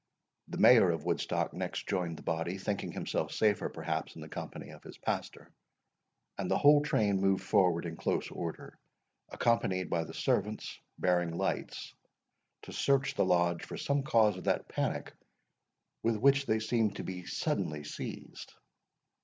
The Mayor of Woodstock next joined the body, thinking himself safer perhaps in the company of his pastor; and the whole train moved forward in close order, accompanied by the servants bearing lights, to search the Lodge for some cause of that panic with which they seemed to be suddenly seized.